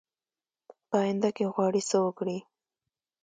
په آینده کې غواړي څه وکړي ؟